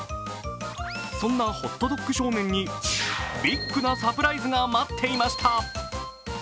そんなホットドッグ少年にビッグなサプライズが待っていました。